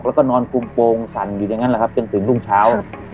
แล้วก็นอนคุมโปรงสั่นอยู่อย่างนั้นแหละครับจนถึงรุ่งเช้า